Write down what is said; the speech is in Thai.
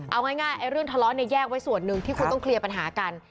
เอาง่ายเรื่องทะเลาะเนี่ยแยกไว้ส่วนหนึ่งที่คุณต้องเคลียร์ปัญหากัน